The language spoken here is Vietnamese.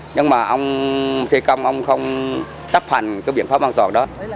nhưng mà thi công ông không cấp hành cái biện pháp an toàn đó